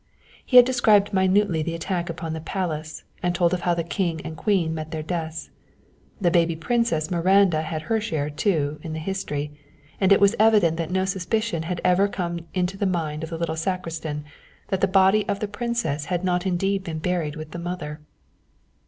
He described minutely the attack upon the palace and told of how the king and queen met their deaths. The baby princess Miranda had her share, too, in the history, and it was evident that no suspicion had ever come into the mind of the little sacristan that the body of the princess had not indeed been buried with the mother.